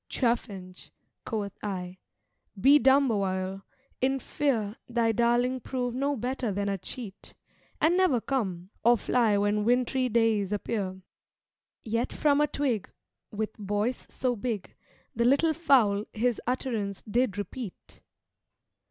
'Chaffinch,' quoth I, 'be dumb awhile, in fear Thy darling prove no better than a cheat, And never come, or fly when wintry days appear.' Yet from a twig, With voice so big, The little fowl his utterance did repeat.